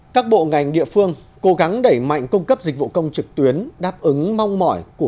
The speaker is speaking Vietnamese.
các bộ ngành địa phương cố gắng đẩy mạnh cung cấp dịch vụ công trực tuyến đáp ứng mong mỏi của